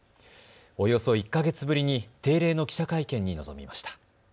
およそ１か月ぶりに定例の記者会見に臨みました。